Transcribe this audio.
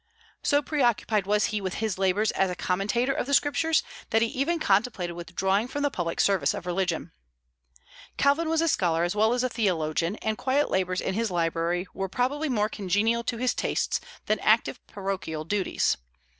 So pre occupied was he with his labors as a commentator of the Scriptures, that he even contemplated withdrawing from the public service of religion. Calvin was a scholar as well as theologian, and quiet labors in his library were probably more congenial to his tastes than active parochial duties.